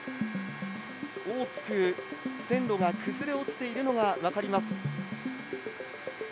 大きく線路が崩れ落ちているのが分かります。